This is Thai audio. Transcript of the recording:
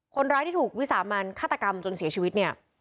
คนร้ายที่ถูกวิสามันฆาตกรรมจนเสียชีวิตเนี่ย